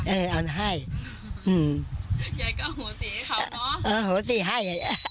เออเอาให้อืมยายก็หัวสีให้เขาเนอะเออหัวสีให้